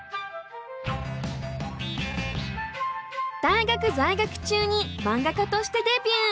大学在学中に漫画家としてデビュー。